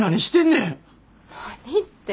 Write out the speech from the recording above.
何って。